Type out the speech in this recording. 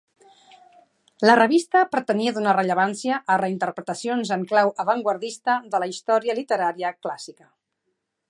La revista pretenia donar rellevància a reinterpretacions en clau avantguardista de la història literària clàssica.